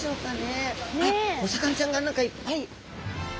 あっお魚ちゃんが何かいっぱい。